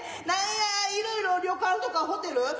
なんやいろいろ旅館とかホテル